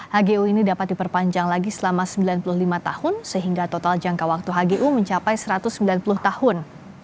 hgu ini dapat diperpanjang lagi selama sembilan puluh lima tahun sehingga total jangka waktu hgu mencapai satu ratus sembilan puluh tahun